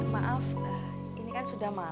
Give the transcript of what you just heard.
maaf ini kan sudah